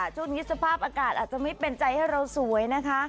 ช่วงนี้สภาพอากาศอาจจะไม่เป็นใจให้เราสวยนะคะ